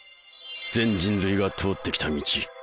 全人類が通ってきた道。